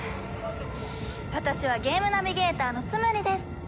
私はゲームナビゲーターのツムリです。